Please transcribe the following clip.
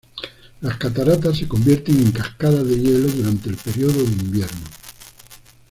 Las cataratas se convierten en cascadas de hielo durante el período de invierno.